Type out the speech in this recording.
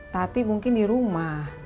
tati mungkin di rumah